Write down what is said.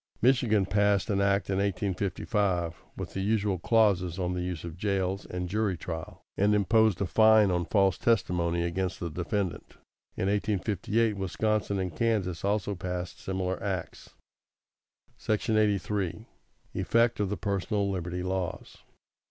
Michigan passed such an act in 1855, with the usual clauses on the use of jails and jury trial, and imposed a fine on false testimony against the defendant. In 1858 Wisconsin and Kansas also passed similar acts. =§ 83. Effect of the personal liberty laws.